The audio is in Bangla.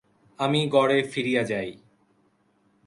আমি গড়ে ফিরিয়া যাই।